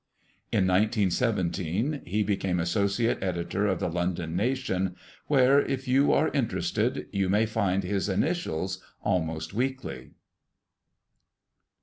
In 1917 he became associate editor of the London Nation, where, if you are interested, you may find his initials almost weekly.